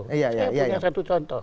saya punya satu contoh